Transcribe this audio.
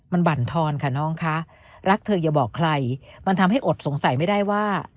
มันบั่นทอนค่ะน้องคะรักเธออย่าบอกใครมันทำให้อดสงสัยไม่ได้ว่า